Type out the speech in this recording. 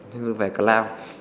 như về cloud